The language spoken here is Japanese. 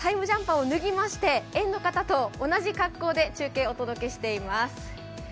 ジャンパーを脱ぎまして園の方と同じ格好で中継をお届けしています。